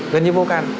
gần như vô can